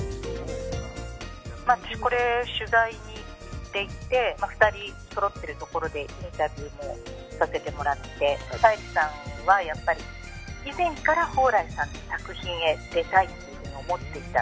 私、取材に行っていて２人、そろってるところでインタビューもさせてもらって沙莉さんはやっぱり以前から蓬莱さんの作品へ出たいっていうふうに思っていた。